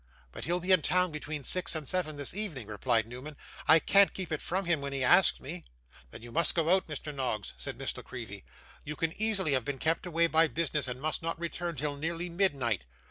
'But he'll be in town between six and seven this evening,' replied Newman. 'I can't keep it from him when he asks me.' 'Then you must go out, Mr. Noggs,' said Miss La Creevy. 'You can easily have been kept away by business, and must not return till nearly midnight.